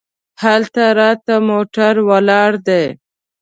هلته راته موټر ولاړ دی.